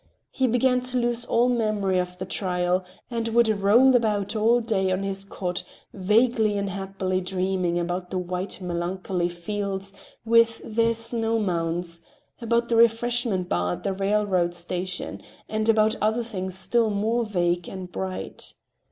He began to lose all memory of the trial, and would roll about all day long on his cot, vaguely and happily dreaming about the white melancholy fields, with their snow mounds, about the refreshment bar at the railroad station, and about other things still more vague and bright.